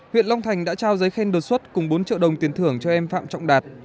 huyện long thành đã trao giấy khen đột xuất cùng bốn triệu đồng tiền thưởng cho em phạm trọng đạt